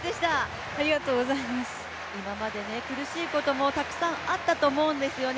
今まで苦しいこともたくさんあったと思うんですね